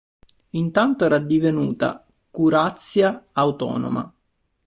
Intanto era divenuta curazia autonoma.